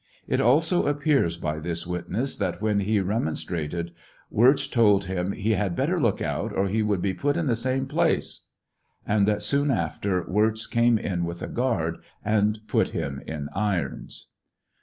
It also appears by this witness, that when he remonstrated, Wirz told him he " had better look out, or he would be put in the same place," and that soon after Wirz came in with a guard and put him in irons.